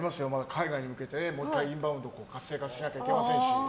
海外に向けてもう１回インバウンド活性化しなきゃいけませんし。